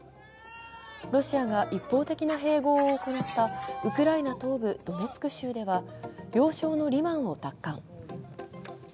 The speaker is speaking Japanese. ロシアが一方的な併合を行ったウクライナ東部ドネツク州では要衝のリマンを奪還。